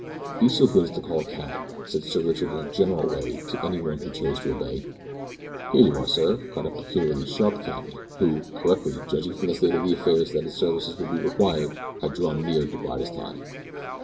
"Be so good as to call a cab," said Sir Richard in a general way to any one who chose to obey. "Here you are, sir!" cried a peculiarly sharp cabby, who, correctly judging from the state of affairs that his services would be required, had drawn near to bide his time.